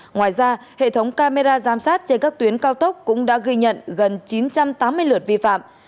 ngoài ra hệ thống camera giám sát trên các tuyến cao tốc cũng đã ghi nhận gần chín trăm tám mươi lượt vi phạm